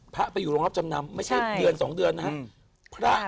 พระไปอยู่โรงรับจำนำไม่ใช่เดือน๒เดือนนะครับ